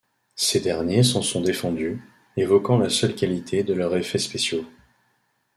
Ces derniers s'en sont défendus, évoquant la seule qualité de leurs effets spéciaux.